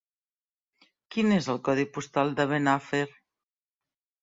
Quin és el codi postal de Benafer?